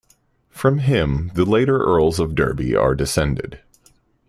From him the later Earls of Derby are descended.